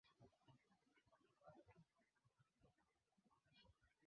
wanaishi katika nchi jirani za Iraq na Irani